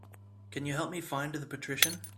Can you help me find The Patrician?